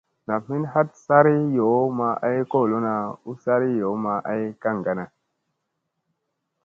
Nam hin ɦat sari yoo ma ay kolona u sari yoo ma ay kaŋgana.